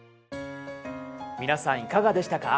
皆さんいかがでしたか？